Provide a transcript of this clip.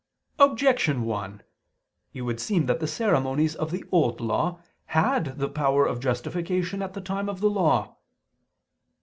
Objection 1: It would seem that the ceremonies of the Old Law had the power of justification at the time of the Law.